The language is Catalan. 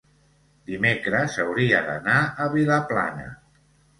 dimecres hauria d'anar a Vilaplana.